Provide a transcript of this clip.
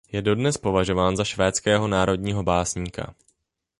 Je dodnes považován za švédského národního básníka.